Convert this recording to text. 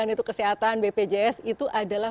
yaitu kesehatan bpjs itu adalah